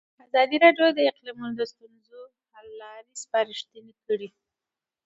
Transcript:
ازادي راډیو د اقلیتونه د ستونزو حل لارې سپارښتنې کړي.